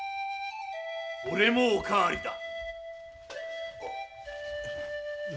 俺もおかわりだ。